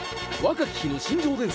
若き日の新庄伝説